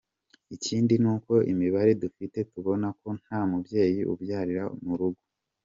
Ikindi ni uko imibare dufite tubona ko nta mubyeyi ubyarira mu rugo.